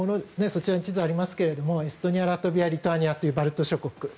そちらに地図がありますがエストニアラトビア、リトアニアというバルト諸国